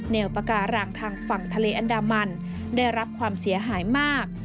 ปากการังทางฝั่งทะเลอันดามันได้รับความเสียหายมาก